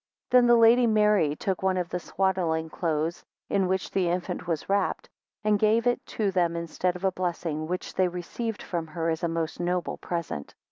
2 Then the Lady Mary took one of his swaddling clothes in which the infant was wrapped, and gave it to them instead of a blessing, which they received from her as a most noble present.